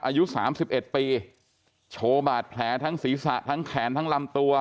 อายุสามสิบเอ็ดปีโชว์บาดแผลทั้งศีรษะทั้งแขนทั้งลำตัว